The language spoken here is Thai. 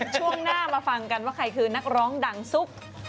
ช่วงหน้ามาฟังกันว่าใครคือนักร้องดังซุก